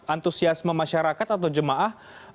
antusiasme masyarakat atau jemaah